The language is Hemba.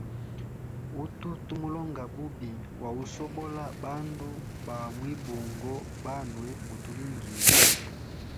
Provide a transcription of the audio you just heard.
Utu tumulonga bubi wa usobola bandu ba mwibungo, banwe mutulingiye.